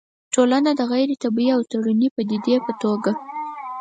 ټولنه د غيري طبيعي او تړوني پديدې په توګه